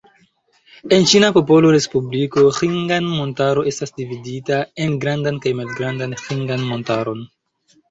En Ĉina Popola Respubliko, Ĥingan-Montaro estas dividita en Grandan kaj Malgrandan Ĥingan-Montaron.